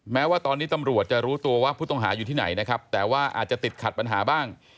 แม้ว่าตอนนี้ตำรวจจะรู้ตัวว่าผู้ต้องหาอยู่ที่ไหนนะครับแต่ว่าอาจจะติดขัดปัญหาบ้าง